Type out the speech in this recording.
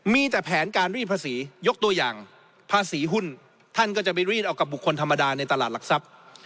มีแต่แผนการรีดภาษียกตัวอย่างภาษีหุ้นท่านก็จะไปรีดเอากับบุคคลธรรมดาในตลาดหลักทรัพย์